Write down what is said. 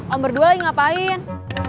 om berdua lagi ngapain